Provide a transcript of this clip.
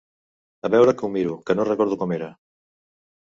A veure que ho miro, que no recordo com era.